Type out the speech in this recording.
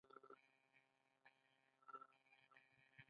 امر یې وکړ چې سید دې د کندهار له لارې وایستل شي.